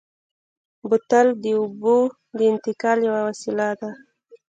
بوتل د اوبو د انتقال یوه وسیله ده.